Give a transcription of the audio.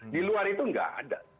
di luar itu nggak ada